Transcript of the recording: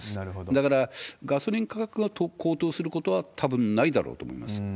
だから、ガソリン価格が高騰することはたぶんないだろうと思います。